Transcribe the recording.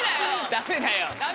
ダメだよ！